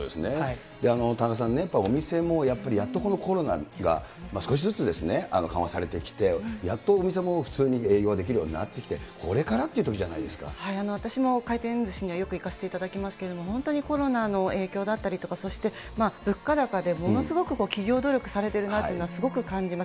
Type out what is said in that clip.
田中さんね、やっぱりやっとこのコロナが少しずつですね、緩和されてきて、やっとお店も普通に営業できるようになってきて、これからってい私も回転ずしにはよく行かせていただきますけど、本当にコロナの影響だったりとか、そして物価高でものすごく企業努力されているなっていうのはすごく感じます。